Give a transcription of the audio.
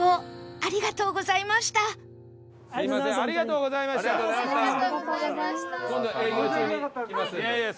ありがとうございます。